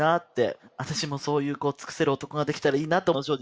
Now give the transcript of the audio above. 私もそういうこう尽くせる男が出来たらいいなとか正直。